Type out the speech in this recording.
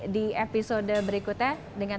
di episode berikutnya dengan